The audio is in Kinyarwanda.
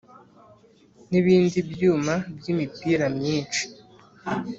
n’ibindi byuma by’ imipira myinshi